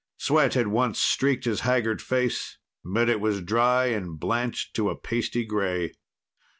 Sweat had once streaked his haggard face, but it was dry and blanched to a pasty gray.